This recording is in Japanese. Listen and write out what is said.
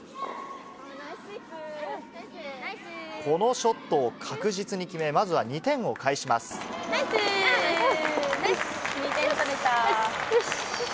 このショットを確実に決め、ナイスー。